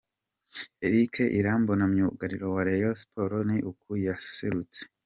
Eric Irambona myugariro wa Rayon Sport ni uku yaserutse.